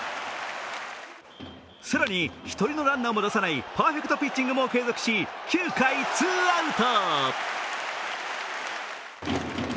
更に１人のランナーも出さないパーフェクトピッチングも継続し９回ツーアウト。